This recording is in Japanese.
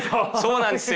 そうなんですよ。